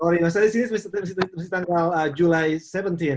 sorry mas tadi sini tanggal julai tujuh belas ya